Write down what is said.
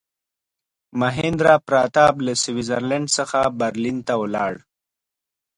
میهندراپراتاپ له سویس زرلینډ څخه برلین ته ولاړ.